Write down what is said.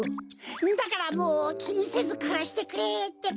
だからもうきにせずくらしてくれってか。